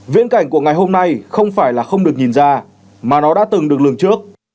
viễn cảnh của ngày hôm nay không phải là không được nhìn ra mà nó đã từng được lường trước